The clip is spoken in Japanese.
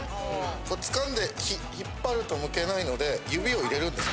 これつかんで引っ張るとむけないので指を入れるんです。